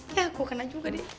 ya aku kena juga deh